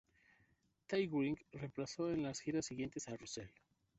Tai Wright reemplazó en las giras siguientes a Russell.